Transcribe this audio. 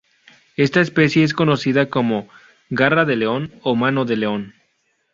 Esta especie es conocida como "garra de león" o "mano de león".